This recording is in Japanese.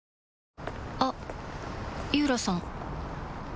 あっ井浦さん